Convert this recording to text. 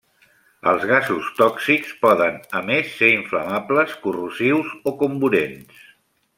Els gasos tòxics poden, a més, ser inflamables, corrosius o comburents.